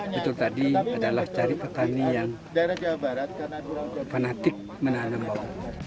betul tadi adalah cari petani yang fanatik menanam bawang putih